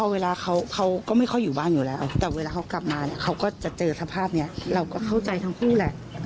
เวลากลับมาเขาก็จะเจอสภาพเนี่ยเราเข้าใจทั้งผู้แหล่ะ